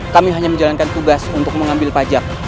kami hanya menjalankan tugas untuk mengambil pajak